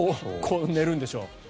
こう寝るんでしょう。